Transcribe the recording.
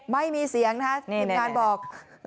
ไม่มีเสียงนะฮะเห็นการบอก